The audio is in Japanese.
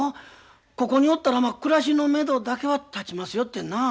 ここにおったらまあ暮らしのめどだけは立ちますよってなあ。